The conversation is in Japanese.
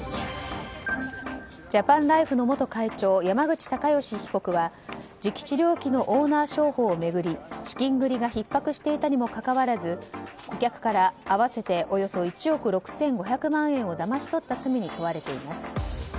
ジャパンライフの元会長山口隆祥被告は磁気治療器のオーナー商法を巡り資金繰りがひっ迫していたにもかかわらず顧客から合わせておよそ１億６５００万円をだまし取った罪に問われています。